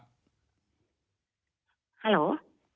ฮัลโหล